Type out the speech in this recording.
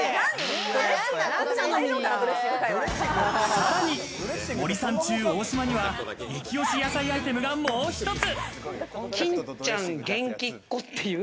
さらに森三中・大島には、激推し野菜アイテムがもう１つ。